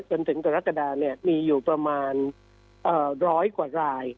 จนถึงตัวรักษดาเนี่ยมีอยู่ประมาณเอ่อร้อยกว่าราย